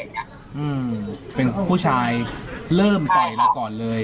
อืมเป็นผู้ชายเริ่มต่อยเราก่อนเลย